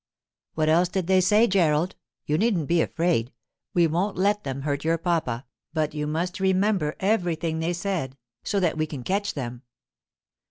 'What else did they say, Gerald? You needn't be afraid. We won't let them hurt your papa, but you must remember everything they said, so that we can catch them.